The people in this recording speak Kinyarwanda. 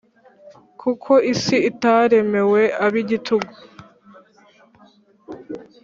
Kuko isi itaremewe ab`igitugu.